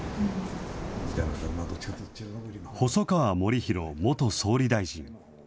細川護熙元総理大臣。